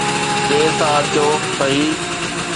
دير سان اچو صحيح.